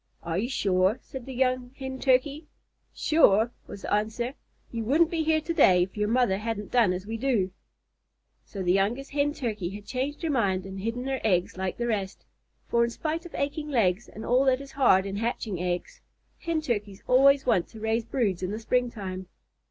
"Are you sure?" said the young Hen Turkey. "Sure!" was the answer. "You wouldn't be here to day if your mother hadn't done as we do." So the youngest Hen Turkey had changed her mind and hidden her eggs like the rest, for, in spite of aching legs and all that is hard in hatching eggs, Hen Turkeys always want to raise broods in the springtime.